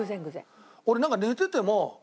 俺なんか寝てても。